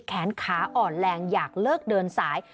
แขนขาอ่อนแรงอยากเลิกเดินสาย